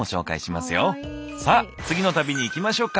さあ次の旅に行きましょうか。